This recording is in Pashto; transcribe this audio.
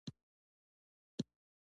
کروندګر د باران انتظار کوي